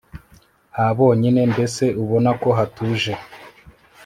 habonyine mbese ubona ko hatuje